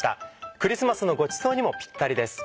クリスマスのごちそうにもぴったりです。